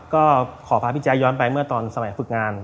ก็ขอพาพี่แจ๊คย้อนไปเมื่อตอนสมัยฝึกงาน